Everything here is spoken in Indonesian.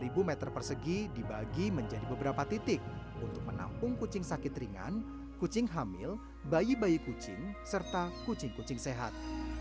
dua ribu meter persegi dibagi menjadi beberapa titik untuk menampung kucing sakit ringan kucing hamil bayi bayi kucing serta kucing kucing sehat